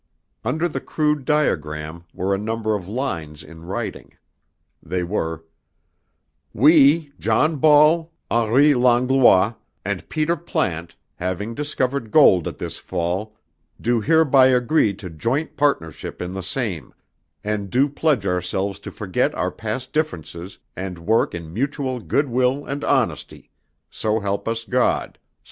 Under the crude diagram were a number of lines in writing. They were: "We, John Ball, Henri Langlois, and Peter Plante, having discovered gold at this fall, do hereby agree to joint partnership in the same, and do pledge ourselves to forget our past differences and work in mutual good will and honesty, so help us God.